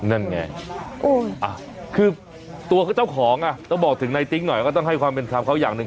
นั่นไงคือตัวเจ้าของอ่ะต้องบอกถึงในติ๊กหน่อยก็ต้องให้ความเป็นธรรมเขาอย่างหนึ่ง